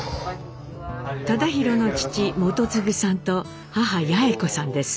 忠宏の父基次さんと母八詠子さんです。